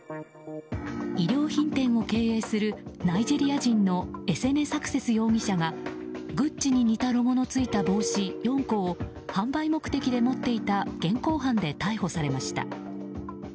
衣料品店を経営するナイジェリア人のエセネ・サクセス容疑者がグッチに似たロゴのついた帽子４個を販売目的で持っていた現行犯で逮捕されました。